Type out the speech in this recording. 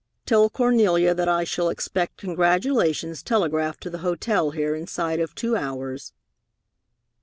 Tell Cornelia that I shall expect congratulations telegraphed to the hotel here inside of two hours."